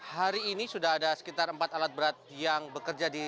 hari ini sudah ada sekitar empat alat berat yang bekerja di